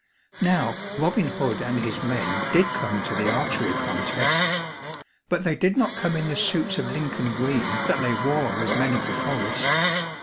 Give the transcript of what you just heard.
Now Robin Hood and his men did come to the archery contest. But they did not come in the suits of Lincoln green that they wore as men of the forest.